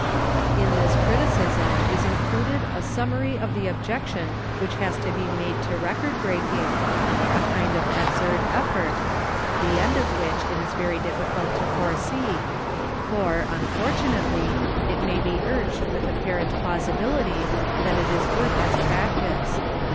In this criticism is included a summary of the objection which has to be made to record breaking, a kind of absurd effort, the end of which it is very difficult to foresee, for, unfortunately, it may be urged with apparent plausibility that it is good as prac tice.